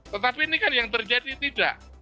tetapi ini kan yang terjadi tidak